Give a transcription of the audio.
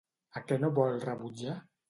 A què no vol rebutjar?